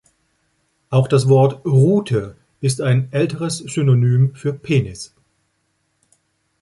Auch das Wort „Rute“ ist ein älteres Synonym für „Penis“.